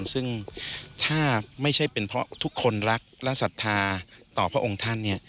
ซึ่งถ้าไม่ใช่เป็นเพราะทุกคนรักและศรัทธาต่อพระองค์ท่านเนี่ย